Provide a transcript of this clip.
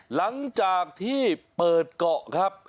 หลังจากที่เปิดเกาะครับ